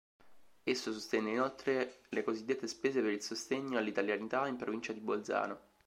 Esso sostenne inoltre le cosiddette "spese per il sostegno all'italianità" in provincia di Bolzano.